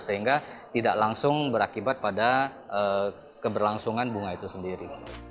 sehingga tidak langsung berakibat pada keberlangsungan bunga itu sendiri